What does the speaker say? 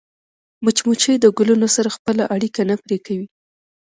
مچمچۍ د ګلونو سره خپله اړیکه نه پرې کوي